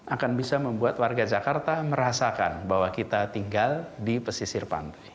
akan bisa membuat warga jakarta merasakan bahwa kita tinggal di pesisir pantai